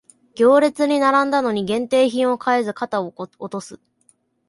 行列に並んだのに限定品を買えず肩を落とす